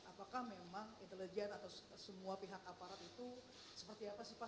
apakah memang intelijen atau semua pihak aparat itu seperti apa sih pak